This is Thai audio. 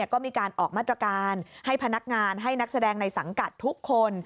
ก็มีการออกมาตรการให้พนักงานให้นักแสดงในสังกัดทุกคน